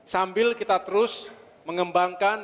sambil kita terus mengembangkan